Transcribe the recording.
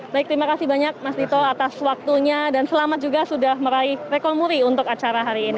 baik terima kasih banyak mas dito atas waktunya dan selamat juga sudah meraih rekor muri untuk acara hari ini